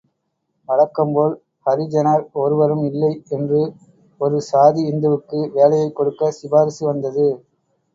வழக்கம்போல் ஹரிஜனர் ஒருவரும் இல்லை என்று ஒரு சாதி இந்துவுக்கு வேலையைக் கொடுக்க சிபாரிசு வந்தது.